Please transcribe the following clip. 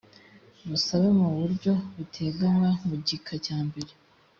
busabe mu buryo butegnywa mu gika cyambere